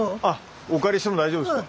お借りしても大丈夫ですか？